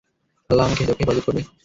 আল্লাহ আমাকে হেফাজত করবে।